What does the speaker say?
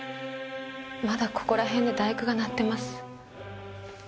まだここら辺で『第九』が鳴ってます。